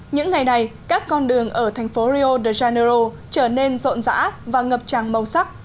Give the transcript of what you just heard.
những ngày này các con đường ở thành phố rio de janeiro trở nên rộn rã và ngập tràn màu sắc